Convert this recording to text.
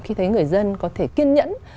khi thấy người dân có thể kiên nhẫn